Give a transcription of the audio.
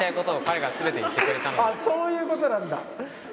あっそういうことなんだ。